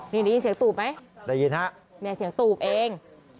นี่ได้ยินเสียงตูบไหมได้ยินฮะเนี่ยเสียงตูบเอง